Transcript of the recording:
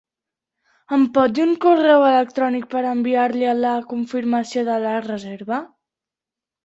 Em pot dir un correu electrònic per enviar-li la confirmació de la reserva?